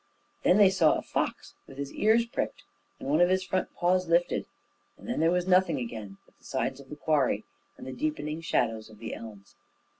Then they saw a fox, with his ears pricked, and one of his front paws lifted; and then there was nothing again but the sides of the quarry and the deepening shadows of the elms.